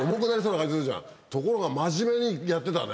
ところが真面目にやってたね。